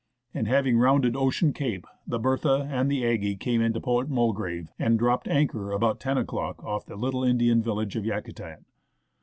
and having rounded Ocean Cape, the Bertha and the Aggie came into Port Mulgrave and dropped anchor about 10 o'clock off the little Indian village of Yakutat.